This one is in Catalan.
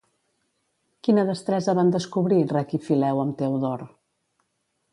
Quina destresa van descobrir Rec i Fileu amb Teodor?